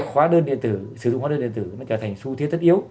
hóa đơn điện tử sử dụng hóa đơn điện tử nó trở thành xu thế tất yếu